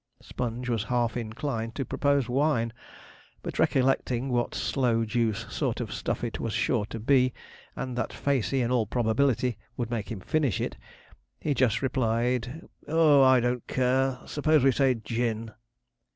Sponge was half inclined to propose wine, but recollecting what sloe juice sort of stuff it was sure to be, and that Facey, in all probability, would make him finish it, he just replied, 'Oh, I don't care; 'spose we say gin?'